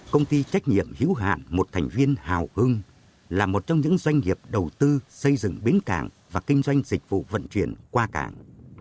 công ty trách nhiệm hữu hạn một thành viên hào hưng là một trong những doanh nghiệp đầu tư xây dựng bến cảng và kinh doanh dịch vụ vận chuyển qua cảng